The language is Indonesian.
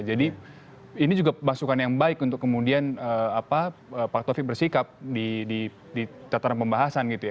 jadi ini juga masukan yang baik untuk kemudian pak tovik bersikap di cataran pembahasan gitu ya